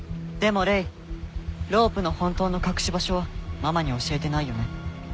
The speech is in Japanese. でもレイロープの本当の隠し場所はママに教えてないよね？